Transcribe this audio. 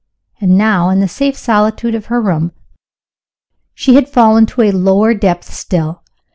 And now, in the safe solitude of her room, she had fallen to a lower depth still.